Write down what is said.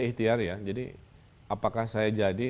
ikhtiar ya jadi apakah saya jadi